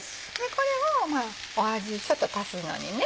これを味ちょっと足すのにね。